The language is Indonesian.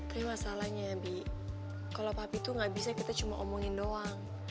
tapi masalahnya bi kalau papi itu gak bisa kita cuma omongin doang